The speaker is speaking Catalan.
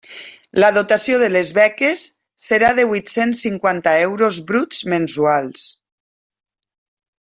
La dotació de les beques serà de huit-cents cinquanta euros bruts mensuals.